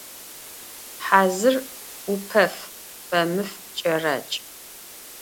Хьазыр ӏупэф, фэмыф кӏэракӏ.